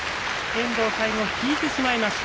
遠藤、最後引いてしまいました。